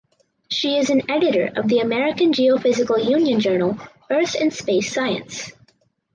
She is an Editor of the American Geophysical Union journal "Earth and Space Science".